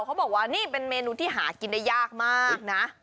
เขาบอกว่านี่เป็นเมนูที่หากินได้ยากมากนะ